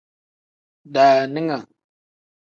Daaninga.